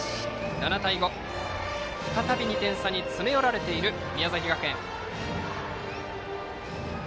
７対５、再び２点差に詰め寄られている宮崎学園。